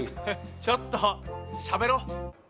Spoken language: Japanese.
ちょっとしゃべろう！